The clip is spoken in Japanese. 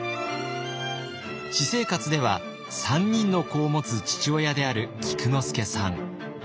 私生活では３人の子を持つ父親である菊之助さん。